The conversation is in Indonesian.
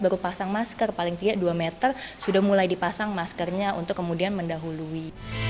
baru pasang masker paling tidak dua meter sudah mulai dipasang maskernya untuk kemudian mendahului